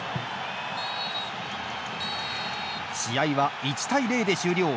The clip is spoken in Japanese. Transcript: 試合は１対０で終了。